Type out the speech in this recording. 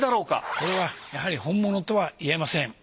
これはやはり本物とはいえません。